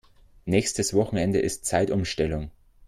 Nächstes Wochenende ist Zeitumstellung.